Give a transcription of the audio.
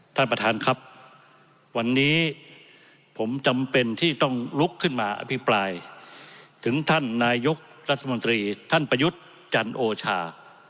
ท่านประธานครับวันนี้ผมจำเป็นที่ต้องลุกขึ้นมาอภิปรายถึงท่านนายกรัฐมนตรีท่านประยุทธ์จันโอชา